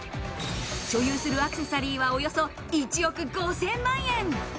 所有するアクセサリーは、およそ１億５０００万円。